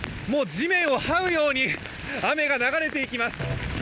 地面をはうように雨が流れていきます。